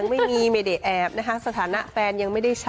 ไม่ได้แอบเลย